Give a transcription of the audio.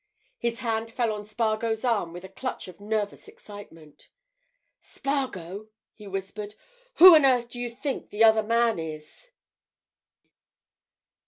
His hand fell on Spargo's arm with a clutch of nervous excitement. "Spargo!" he whispered. "Who on earth do you think the other man is?"